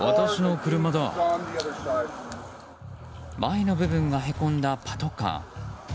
前の部分がへこんだパトカー。